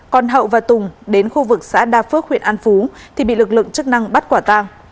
còn hậu và tùng đến khu vực xã đa phước huyện an phú thì bị lực lượng chức năng bắt quả tang